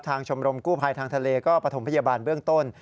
ชมรมกู้ภัยทางทะเลก็ประถมพยาบาลเบื้องต้น